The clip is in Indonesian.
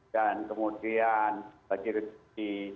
dan kemudian bagi lufitri